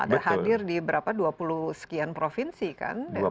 ada hadir di berapa dua puluh sekian provinsi kan